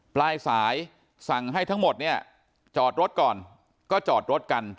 ปลายสายสั่งให้ทั้งหมดเนี่ยจอดรถก่อนก็จอดรถกัน